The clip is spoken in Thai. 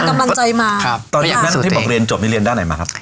กำลังใจมาครับตอนนี้อย่างนั้นที่บอกเรียนจบที่เรียนด้านไหนมาครับ